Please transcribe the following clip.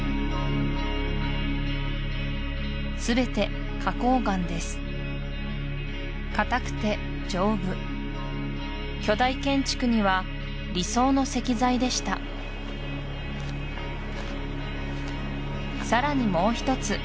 すべて花崗岩です硬くて丈夫巨大建築には理想の石材でしたさらにもう一つ